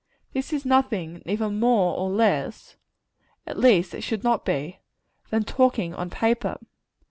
This is nothing, either more or less at least it should not be than talking on paper.